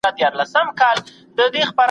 مرتد د دین څخه وتونکی شخص دی.